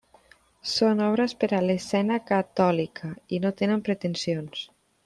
Són obres per a l'escena catòlica i no tenen pretensions.